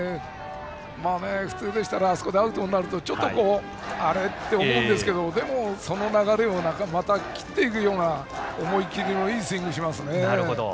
普通でしたらあそこでアウトになるとあれ？って思うんですけどでもその流れをまた切っていくような思い切りのいいスイングをします。